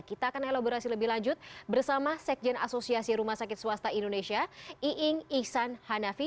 kita akan elaborasi lebih lanjut bersama sekjen asosiasi rumah sakit swasta indonesia iing ihsan hanafi